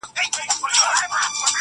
• لكه د مور چي د دعا خبر په لپه كــي وي.